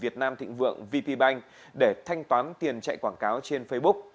việt nam thịnh vượng vp bank để thanh toán tiền chạy quảng cáo trên facebook